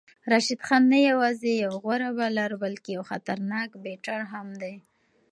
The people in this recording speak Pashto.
راشد خان نه یوازې یو غوره بالر بلکې یو خطرناک بیټر هم دی.